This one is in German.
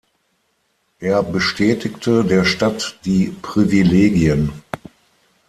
Er bestätigte der Stadt die Privilegien.